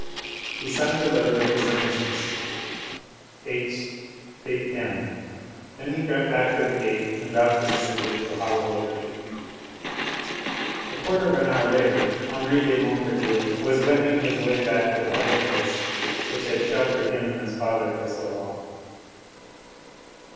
He signed the letter with his initials, H. de M. Then he crept back to the gate and dropped the message into the hollow of the tree. A quarter of an hour later Henri de Montorgueil was wending his way back to the hiding place which had sheltered him and his father for so long.